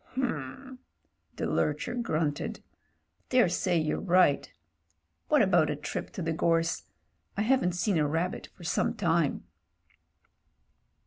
"H'm," the lurcher grimted. "Daresay you're right What about a trip to the gorse? I haven't seen a rabbit for some time."